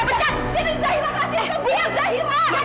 nanti kamu saya pecat